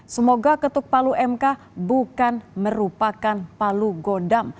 semoga ketuk palu mk bukan merupakan palu godam